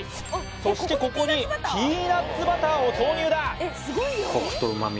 そしてここにピーナッツバターを投入だコクと旨味